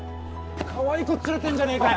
かわいい子連れてんじゃねえかよ。